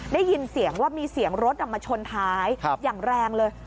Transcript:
ได้ยินเสียงว่ามีเสียงรถมาชนท้ายอย่างแรงเลย